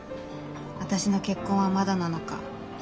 「私の結婚はまだなのか」